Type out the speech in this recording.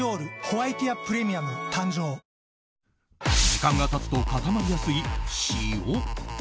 時間が経つと固まりやすい塩。